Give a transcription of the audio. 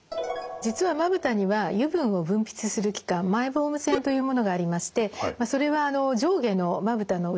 実はまぶたには油分を分泌する器官マイボーム腺というものがありましてそれは上下のまぶたの裏側にあります。